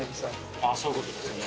ああそういう事ですよね。